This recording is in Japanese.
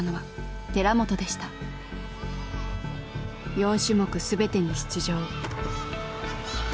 ４種目全てに出場。